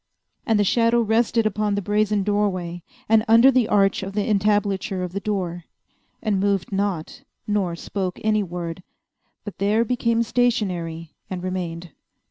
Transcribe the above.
And the shadow rested upon the brazen doorway, and under the arch of the entablature of the door, and moved not, nor spoke any word, but there became stationary and remained.